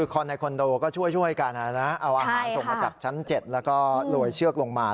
คนในคอนโดก็ช่วยกันเอาอาหารส่งมาจากชั้น๗แล้วก็โรยเชือกลงมา